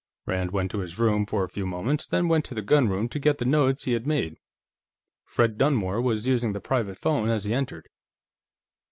Rand went to his room for a few moments, then went to the gunroom to get the notes he had made. Fred Dunmore was using the private phone as he entered.